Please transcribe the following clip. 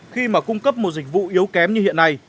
khi mà cung cấp một dịch vụ yếu kém như hiện nay